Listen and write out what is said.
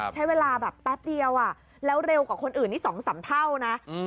ใช้เวลาแบบแป๊บเดียวแล้วเร็วกว่าคนอื่นนี่๒๓เท่านะ